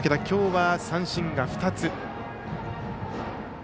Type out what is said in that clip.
きょうは三振が２つ。